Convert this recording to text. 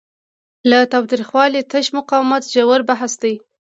له تاوتریخوالي تش مقاومت ژور بحث دی.